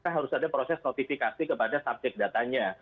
harus ada proses notifikasi kepada subjek datanya